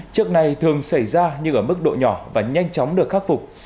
trước nay thường xảy ra nhưng ở mức độ nhỏ và nhanh chóng được khắc phục